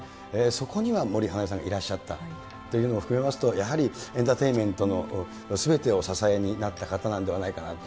そこには森英恵さんがいらっしゃったというのも含めますと、やっぱりエンターテインメントのすべてを支えになった方なんじゃないかなと。